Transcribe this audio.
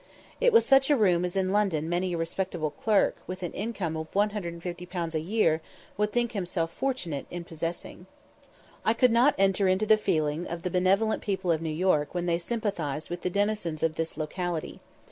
It was such a room as in London many a respectable clerk, with an income of 150_l._ a year, would think himself fortunate in possessing. I could not enter into the feelings of the benevolent people of New York when they sympathised with the denizens of this locality.